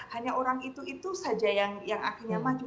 hanya orang itu itu saja yang akhirnya maju